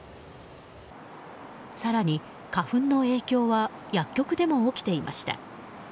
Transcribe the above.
更に、花粉の影響は薬局でも起きていました。